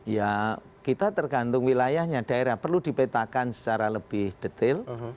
ya kita tergantung wilayahnya daerah perlu dipetakan secara lebih detail